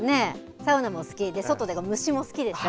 サウナも好きで外で、虫も好きでしょ。